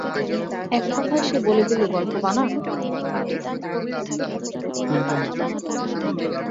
এককথায় সে বলে দিল গল্প বানান?